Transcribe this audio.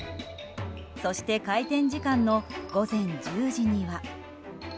そして開店時間の午前１０時には。